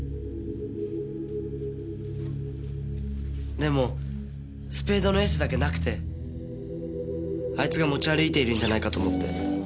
でもスペードのエースだけなくてあいつが持ち歩いているんじゃないかと思って。